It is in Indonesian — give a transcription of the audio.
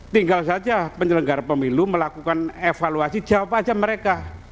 tinggal saja penyelenggara pemilu melakukan evaluasi jawab aja mereka